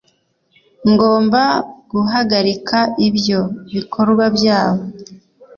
ngomba guhagarika ibyo bikorwa byabo